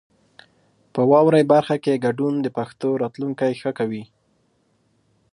په واورئ برخه کې ګډون د پښتو راتلونکی ښه کوي.